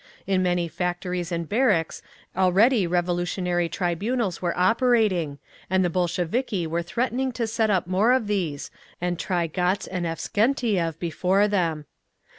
In many factories and barracks already Revolutionary Tribunals were operating, and the Bolsheviki were threatening to set up more of these, and try Gotz and Avksentiev before them.